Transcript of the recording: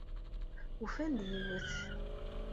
Ufan-d yiwet.